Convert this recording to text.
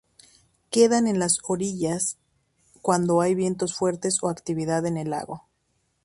Quedan en las orillas cuando hay vientos fuertes o actividad en el lago.